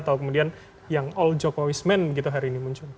atau kemudian yang all jokowisman gitu hari ini muncul